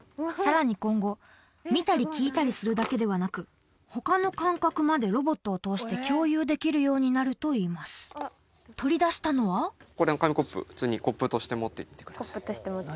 さらに今後見たり聞いたりするだけではなく他の感覚までロボットを通して共有できるようになるといいます取り出したのはこれ紙コップ普通にコップとして持ってみてください